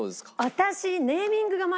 私。